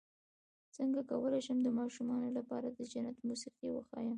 څنګه کولی شم د ماشومانو لپاره د جنت موسيقي وښایم